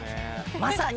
まさに！